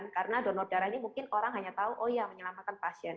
karena donor darah ini mungkin orang hanya tahu oh iya menyelamatkan pasien